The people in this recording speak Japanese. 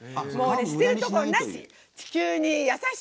捨てるところなし。